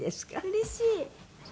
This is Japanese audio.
うれしい！